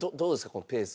このペース。